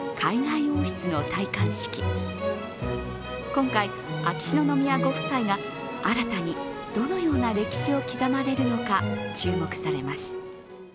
今回、秋篠宮ご夫妻が新たにどのような歴史を刻まれるのか注目されます。